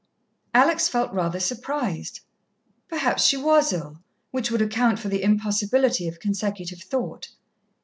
Alex felt rather surprised. Perhaps she was ill, which would account for the impossibility of consecutive thought.